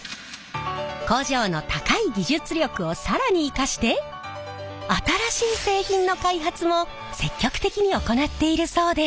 工場の高い技術力を更に生かして新しい製品の開発も積極的に行っているそうで。